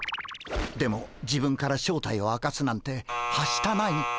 でも自分から正体を明かすなんてはしたない。